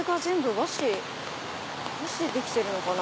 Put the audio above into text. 和紙でできてるのかな？